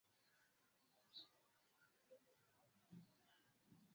mbele au nyuma ya kichwa kutegemea kama alipoteza mvulana au msichana Sabini na saba